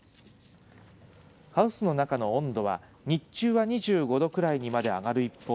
ハウスの中の温度は日中は２５度くらいまでに上がる一方